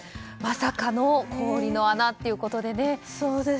まさかの氷の穴ということでね。